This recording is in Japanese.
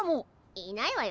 いないわよ